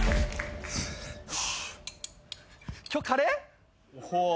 今日カレー？